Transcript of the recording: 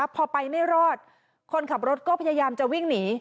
พอไปไม่รอดคนขับรถก็พยายามจะวิ่งหนี